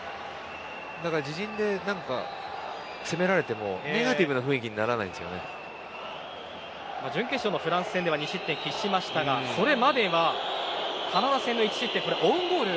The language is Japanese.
自陣で攻められてもネガティブな雰囲気に準決勝のフランス戦では２失点を喫しましたがそれまではカナダ戦の１失点オウンゴール。